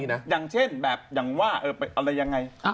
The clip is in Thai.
อย่างเช่นแบบอย่างว่าอะไรยังไง